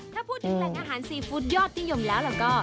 ถ้าพูดถึงแหล่งอาหารซีฟู้ดยอดนิยมแล้วก็